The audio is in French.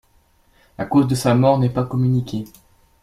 La cause de sa mort n'est pas communiquée.